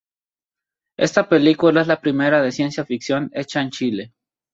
Esta película es la primera de ciencia ficción hecha en Chile.